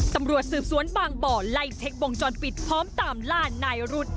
ตำรวจสืบสวนบางบ่อไล่เช็ควงจรปิดพร้อมตามล่านายรุษ